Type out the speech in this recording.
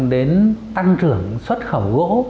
đến tăng trưởng xuất khẩu gỗ